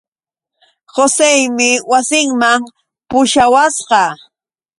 Joseemi wasinman pushawasqa.